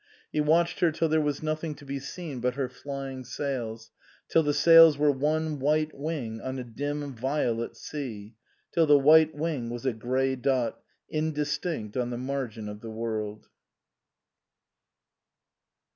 He watched her till there was nothing to be seen but her flying sails, till the sails were one white wing on a dim violet sea, till the white wing was a grey dot, indistinct on the margin of the world.